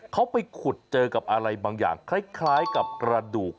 เขาไปขุดเจอกับอะไรบางอย่างคล้ายกับกระดูก